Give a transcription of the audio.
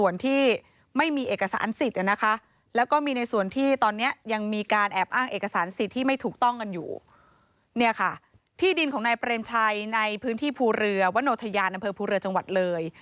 นายเปรมชัยในพื้นที่ภูเรือวันนโทยานนภูเรือจังหวัดเลย